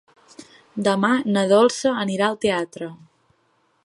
Demà na Dolça anirà al teatre.